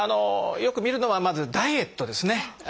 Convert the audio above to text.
よく見るのはまずダイエットですね。